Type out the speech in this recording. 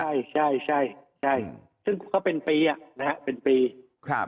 ใช่ใช่ใช่ใช่ซึ่งเขาเป็นปีอ่ะนะฮะเป็นปีครับ